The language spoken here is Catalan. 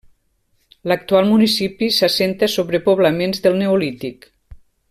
L'actual municipi s'assenta sobre poblaments del neolític.